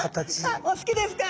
あっお好きですか？